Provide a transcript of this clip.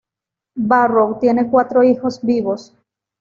Barrow tiene cuatro hijos vivos.